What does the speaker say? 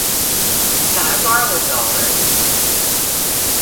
Can I Borrow a Dollar?